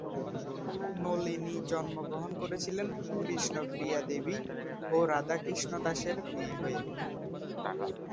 নলিনী জন্মগ্রহণ করেছিলেন কৃষ্ণ প্রিয়া দেবী ও রাধা কৃষ্ণ দাসের মেয়ে হয়ে।